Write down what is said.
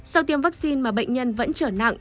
sau tiêm vaccine mà bệnh nhân vẫn trở nặng